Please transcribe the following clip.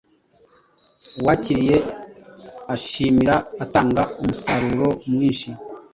Uwakiriye ashimira atanga umusaruro mwinshi.